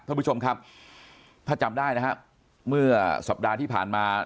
ท่านผู้ชมครับถ้าจำได้นะฮะเมื่อสัปดาห์ที่ผ่านมา